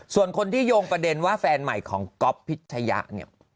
ส่วนคนที่โยงประเด็นว่าแฟนใหม่ของก๊อฟพิชยะเนี่ย